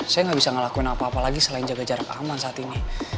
saya nggak bisa ngelakuin apa apa lagi selain jaga jarak aman saat ini